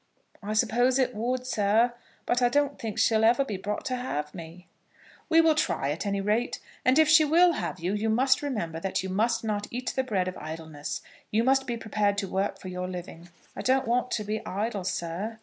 "I suppose it would, sir; but I don't think she'll ever be brought to have me." "We will try, at any rate. And if she will have you, you must remember that you must not eat the bread of idleness. You must be prepared to work for your living." "I don't want to be idle, sir."